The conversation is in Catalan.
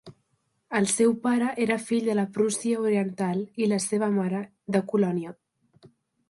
El seu pare era fill de la Prússia Oriental i la seva mare, de Colònia.